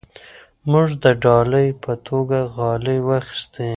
موږ د ډالۍ په توګه غالۍ واخیستې.